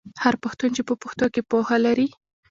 هر پښتون چې په پښتو کې پوهه لري.